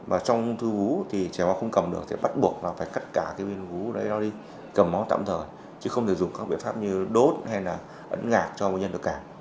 và trong ông thư vú thì chảy máu không cầm được thì bắt buộc là phải cắt cả cái viên ông thư vú đó đi cầm máu tạm thời chứ không thể dùng các biện pháp như đốt hay là ẩn ngạc cho bệnh nhân được cả